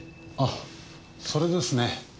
あそれですね。